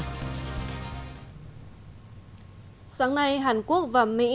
khoảng một mươi một năm trăm linh binh lính mỹ